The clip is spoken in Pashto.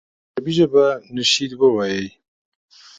په عربي ژبه نشید ووایي.